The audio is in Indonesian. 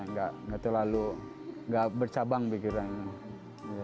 nggak terlalu nggak bercabang pikirannya